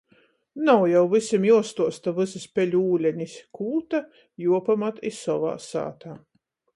Nav jau vysim juostuosta vysys peļu ūlenis. Kū ta juopamat i sovā sātā.